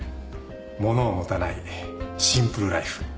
物を持たないシンプルライフ。